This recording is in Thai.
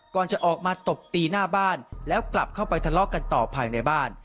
ก่อนจะออกมาตบตีหน้าบ้านแล้วกลับเข้าไปทะเลาะกันต่อภายในบ้าน